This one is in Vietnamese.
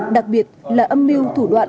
đặc biệt là âm mưu thủ đoạn